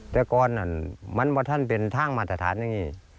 แต่ก่อนนั้นมันว่าท่านเป็นทางมาตรฐานอย่างนี้